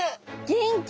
元気。